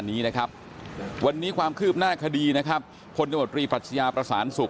ที่มีวันนี้ความคืบหน้าคดีคนธรรมดีปรัชญาประสานสุข